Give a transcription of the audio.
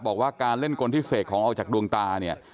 บอกว่าการเล่นกลที่เสกของออกจากดวงตาเนี่ย